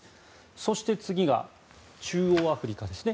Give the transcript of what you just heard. そして、次が中央アフリカですね。